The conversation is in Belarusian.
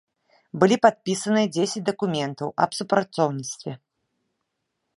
Былі падпісаныя дзесяць дакументаў аб супрацоўніцтве.